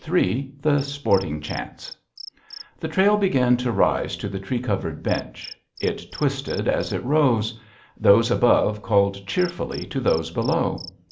III THE SPORTING CHANCE The trail began to rise to the tree covered "bench." It twisted as it rose. Those above called cheerfully to those below.